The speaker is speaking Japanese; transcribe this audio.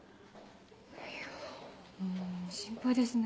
いやうん心配ですね。